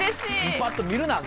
バッと見るな。